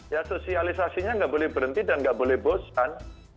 ya sosialisasinya nggak boleh berhenti dan nggak boleh bosan